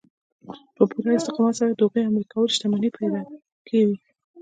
په پوره استقامت سره د هغو عملي کول شتمني پيدا کوي.